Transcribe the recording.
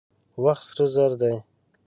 وخت سره زر دي.